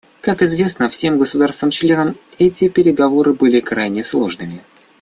Как известно всем государствам-членам, эти переговоры были крайне сложными.